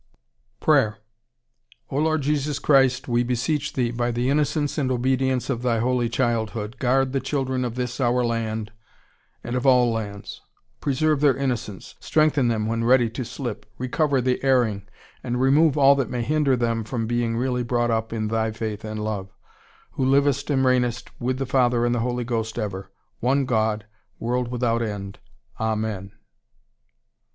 PRAYER O Lord Jesus Christ, we beseech Thee, by the innocence and obedience of Thy Holy childhood, guard the children of this our land and of all lands; preserve their innocence, strengthen them when ready to slip, recover the erring, and remove all that may hinder them from being really brought up in Thy faith and love; Who livest and reignest with the Father and the Holy Ghost ever, one God, world without end. Amen.